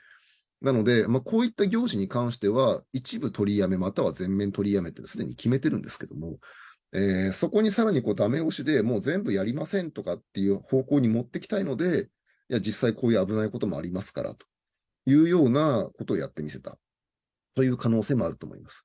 なのでこういった行事に関しては一部取りやめ、または全面取りやめと決めているんですけれどもそこに更に駄目押しで、全部やりませんとかっていう方向に持っていきたいので実際、こういう危ないこともありますからというようなことをやってみせたという可能性もあると思うんです。